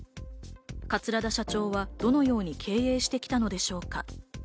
桂田社長はどのように経営してきたのでしょうか？